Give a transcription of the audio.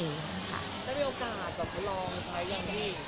ได้มีโอกาสแบบลองใช้อย่างพี่